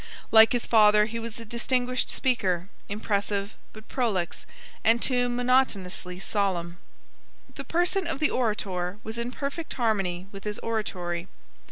Like his father he was a distinguished speaker, impressive, but prolix, and too monotonously solemn. The person of the orator was in perfect harmony with his oratory.